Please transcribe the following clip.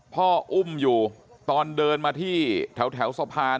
พ่ออุ้มอยู่ตอนเดินมาที่แถวสะพาน